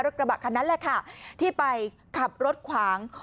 กระบะคันนั้นแหละค่ะที่ไปขับรถขวาง